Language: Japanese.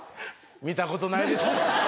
見たことないです。